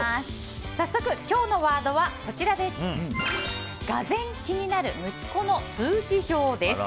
早速、今日のワードは俄然気になる息子の通知表です。